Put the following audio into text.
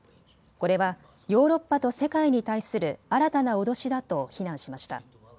これはヨーロッパと世界に対する新たな脅しだと非難しました。